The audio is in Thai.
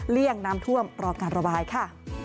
เลี่ยงน้ำท่วมรอการระบายค่ะ